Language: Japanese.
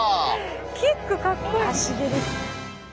キックかっこいい！